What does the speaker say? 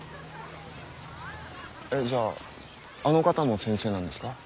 えっじゃああの方も先生なんですか？